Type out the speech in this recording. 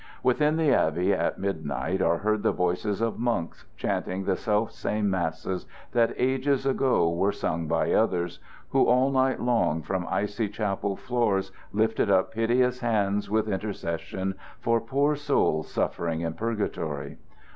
Within the abbey at midnight are heard the voices of monks chanting the self same masses that ages ago were sung by others, who all night long from icy chapel floors lifted up piteous hands with intercession for poor souls suffering in purgatory.